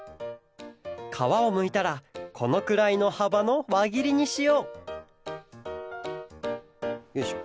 かわをむいたらこのくらいのはばのわぎりにしようよいしょ。